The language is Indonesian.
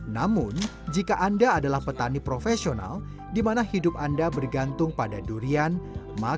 namun jika anda adalah petani profesional dimana hidup anda bergantung pada durian yang sudah dikembangkan